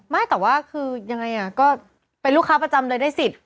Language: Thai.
ไม่แต่ว่าคือยังไงก็เป็นลูกค้าประจำเลยได้สิทธิ์